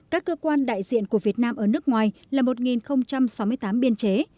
các cơ quan đại diện của việt nam ở nước ngoài là một sáu mươi tám biên chế